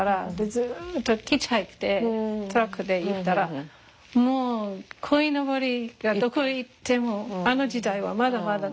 ずっとヒッチハイクでトラックで行ったらもうこいのぼりがどこへ行ってもあの時代はまだまだ。